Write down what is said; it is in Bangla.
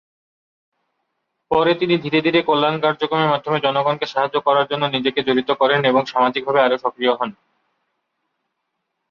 পরে তিনি ধীরে ধীরে, কল্যাণ কার্যক্রমের মাধ্যমে জনগণকে সাহায্য করার জন্য নিজেকে জড়িত করেন, এবং সামাজিকভাবে আরো সক্রিয় হন।